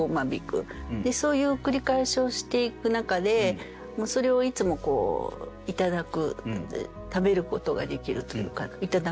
そういう繰り返しをしていく中でそれをいつも食べることができるというかいただく。